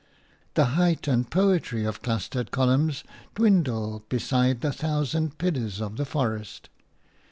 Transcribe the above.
The height and poetry of clustered columns dwindle beside the thousand pillars of the forest.